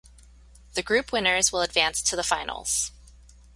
The group winners will advance to the finals.